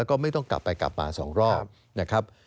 ก็ไม่ต้องกลับไปกลับมาสองรอบ